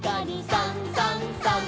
「さんさんさん」